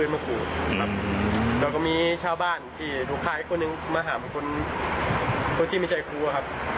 แล้วก็มีชาวบ้านที่ลูกค้าอีกคนนึงมาหาคนที่ไม่ใช่ครูครับ